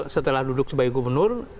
setelah duduk sebagai gubernur